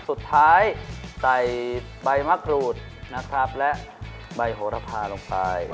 สุดท้ายใส่ใบมะกรูดและใบโหนรภาลงไป